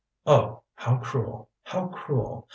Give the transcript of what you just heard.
Oh! How cruel, how cruel!